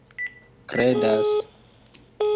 kredas